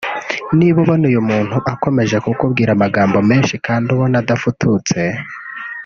Niba ubona uyu muntu akomeje kukubwira amagambo menshi kandi ubona adafututse